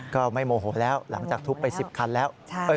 โมโหแล้วหลังจากทุบไป๑๐คันแล้ว